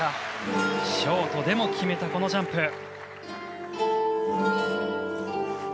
ショートでも決めたこのジャンプ。